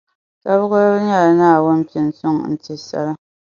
Taba golibu nyɛla Naawuni pini suŋ n-ti sala.